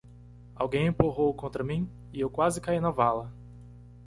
Alguém empurrou contra mim? e eu quase caí na vala.